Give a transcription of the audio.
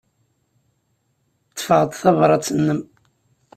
Ḍḍfeɣ-d tabṛat-nnem.